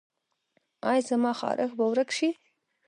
ایا زما خارښ به ورک شي؟